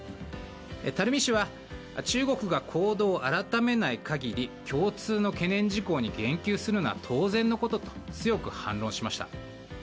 垂氏は中国が行動を改めない限り共通の懸念事項に言及することは当然のことと強く反論しました。